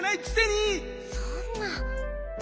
そんな。